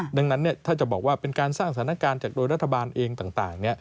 ดังนั้นถ้าจะบอกว่าเป็นการสร้างสถานการณ์จากโดยรัฐบาลเองต่าง